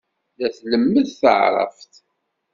La tlemmed taɛṛabt.